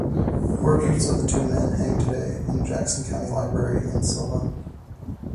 Portraits of the two men hang today in the Jackson County Library in Sylva.